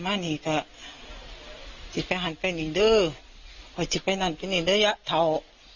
มันนี่ก็จิตไปหันไปนี่ดื้อพอจิตไปนั่นไปนี่ดื้อยักษ์เทา